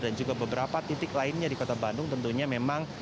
dan juga beberapa titik lainnya di kota bandung tentunya memang